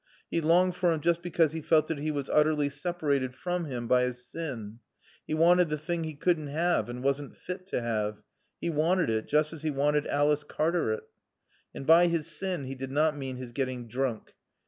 He longed for him just because he felt that he was utterly separated from him by his sin. He wanted the thing he couldn't have and wasn't fit to have. He wanted it, just as he wanted Alice Cartaret. And by his sin he did not mean his getting drunk.